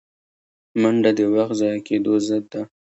منډه د وخت ضایع کېدو ضد ده